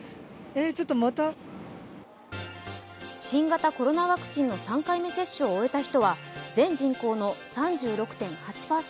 新型コロナワクチンの３回目接種を終えた人は全人口の３６．８％。